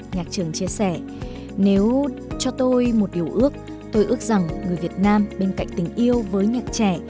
nhạc trưởng chia sẻ nếu cho tôi một điều ước tôi ước rằng người việt nam bên cạnh tình yêu với nhạc trẻ